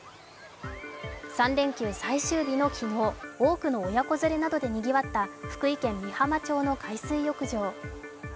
３連休最終日の昨日、多くの親子連れなどでにぎわった福井県美浜町の海水浴場。